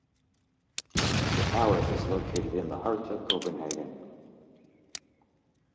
The palace is located in the heart of Copenhagen.